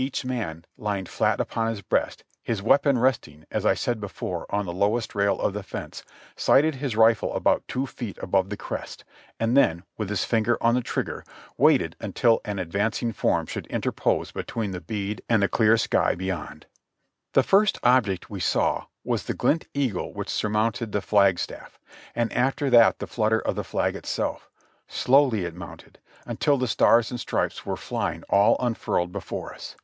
"' Each man lying flat upon his breast, his weapon resting, as I said before, on the lowest rail of the fence, sighted his rifle about two feet above the crest, and then, with his finger on the trigger, waited until an advancing form should interpose between the bead aiid the clear sky beyond. The first object we saw was the gilt eagle which surmounted the flag staff, and after that the flutter of the flag itself: slowly it mounted, until the Stars and Stripes were flying all unfurled before us.